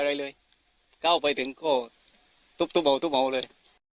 ไปเลยเข้าไปถึงโกดทุบแล้ว